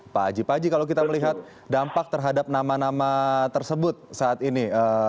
pak haji pak haji kalau kita melihat dampak terhadap nama nama tersebut saat ini